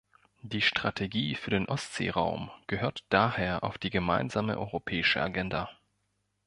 Die Strategie für den Ostseeraum gehört daher auf die gemeinsame europäische Agenda.